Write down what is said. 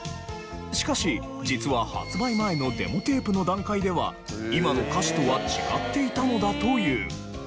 しかし実は発売前のデモテープの段階では今の歌詞とは違っていたのだという。